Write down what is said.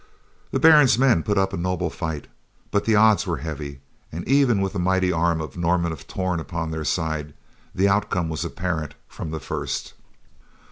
The Baron's men put up a noble fight, but the odds were heavy and even with the mighty arm of Norman of Torn upon their side the outcome was apparent from the first.